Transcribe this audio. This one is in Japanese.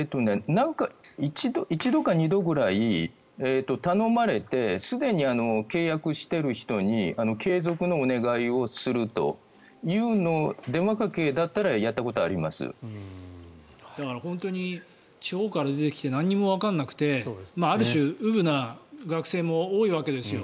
１度か２度ぐらい頼まれてすでに契約している人に継続のお願いをするという電話かけだったら本当に地方から出てきて何もわからなくてある種、うぶな学生も多いわけですよ。